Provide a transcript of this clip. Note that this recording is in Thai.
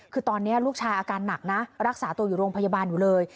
คือตอนนี้ลูกชายอาการหนักนะรักษาตัวอยู่โรงพยาบาลอยู่เลย